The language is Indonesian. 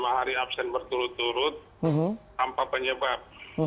lima hari absen berturut turut tanpa penyebab